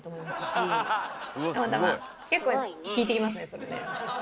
結構聞いてきますねそれね。